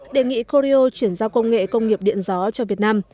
đề nghị corio chuyển giao công nghệ công nghiệp điện gió cho việt nam